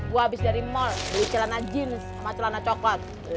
gue habis dari mall gue celana jeans sama celana coklat